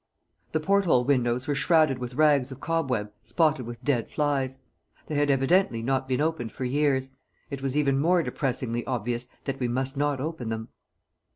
The port hole windows were shrouded with rags of cobweb spotted with dead flies. They had evidently not been opened for years; it was even more depressingly obvious that we must not open them.